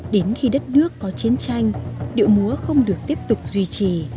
đến khi đất nước có chiến tranh điệu múa không được tiếp tục duy trì